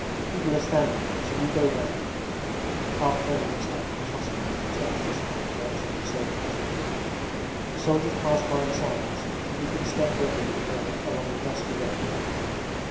'People are standing here, so you go round,' he muttered, half turning his head and tossing it contemptuously in the direction of the soldiers. The soldiers passed by in silence, keeping step regularly along the dusty road.